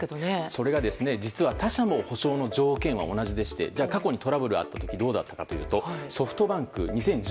それが実は他社も補償の条件は同じでして過去にトラブルがあった時どうだったかというとソフトバンク、２０１８年。